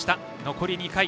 残り２回。